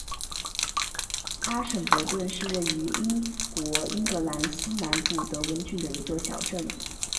阿什伯顿是位于英国英格兰西南部德文郡的一座小镇。